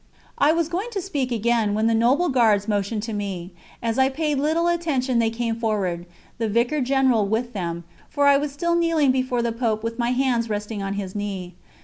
I was going to speak again, when the Noble Guards motioned to me. As I paid little attention they came forward, the Vicar General with them, for I was still kneeling before the Pope with my hands resting on his knee.